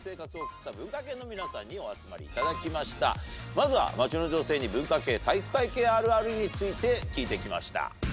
まずは街の女性に文化系体育会系あるあるについて聞いてきました。